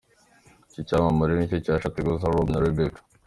Iki cyamamare nicyo cyashatse guhuza Rob na Rebecca.